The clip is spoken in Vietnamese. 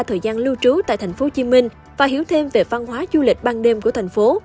thời gian lưu trú tại thành phố hồ chí minh và hiểu thêm về văn hóa du lịch ban đêm của thành phố